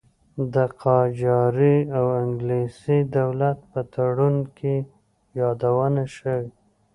د قاجاري او انګلیسي دولت په تړون کې یادونه شوې.